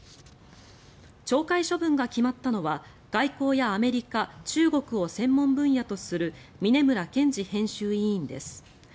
懲戒処分が決まったのは外交やアメリカ、中国を専門分野とする峯村健司編集委員です。